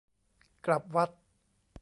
กลับวัด